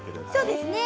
そうですね。